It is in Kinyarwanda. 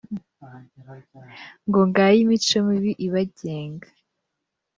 ngo ngaye imico mibi ibagenga